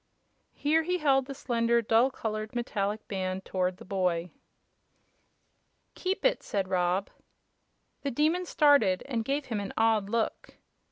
Here he held the slender, dull colored metallic band toward the boy. "Keep it," said Rob. The Demon started, and gave him an odd look.